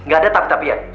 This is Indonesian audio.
gak ada tapi tapi ya